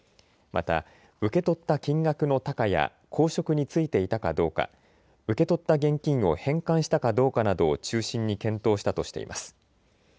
また、受け取った金額の多寡や公職に就いていたかどうか、受け取った現金を返還したかどうかなどを中心に検討したとしています。